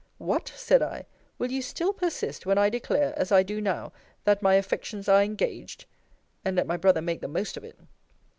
What! said I, will you still persist, when I declare, as I do now, that my affections are engaged? And let my brother make the most of it.